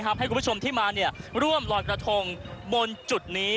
คุณผู้ชมที่มาร่วมลอยกระทงบนจุดนี้